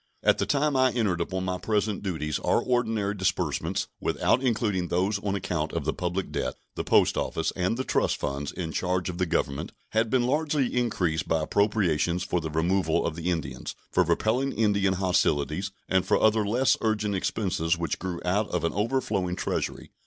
At the time I entered upon my present duties our ordinary disbursements, without including those on account of the public debt, the Post Office, and the trust funds in charge of the Government, had been largely increased by appropriations for the removal of the Indians, for repelling Indian hostilities, and for other less urgent expenses which grew out of an overflowing Treasury.